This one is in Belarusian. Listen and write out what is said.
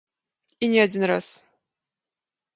І не адзін раз.